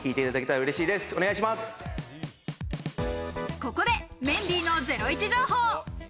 ここでメンディーの『ゼロイチ』情報。